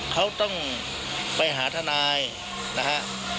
เขาต้องไปหาทนายนะฮะ